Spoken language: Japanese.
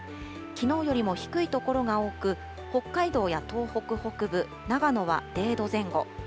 きのうよりも低い所が多く、北海道や東北北部、長野は０度前後。